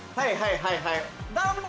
はいはいはいはい。